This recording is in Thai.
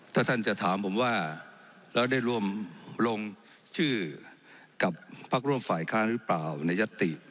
ถ้าท่านจะถามผมว่าแล้วได้รวมลงชื่อกับพักร่วมฝ่ายค้านหรือเปล่าในยัตติ